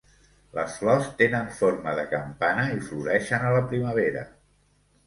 Les flors tenen forma de campana i floreixen a la primavera.